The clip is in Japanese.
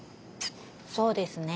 そうですね。